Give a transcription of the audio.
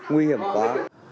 nguy hiểm quá